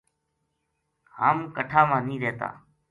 ہم کٹھا ما نیہہ رہتا